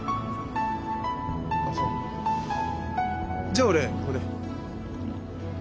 じゃあ俺ここで。